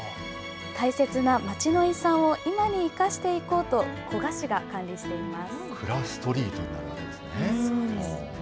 大切な町の遺産を今に生かしていこうと、古河市が管理しています。